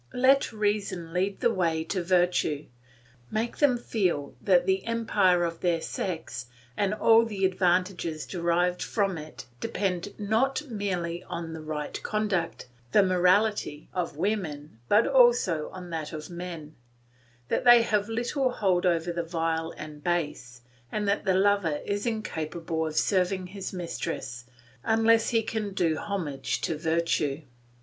Let reason lead the way to virtue; make them feel that the empire of their sex and all the advantages derived from it depend not merely on the right conduct, the morality, of women, but also on that of men; that they have little hold over the vile and base, and that the lover is incapable of serving his mistress unless he can do homage to virtue.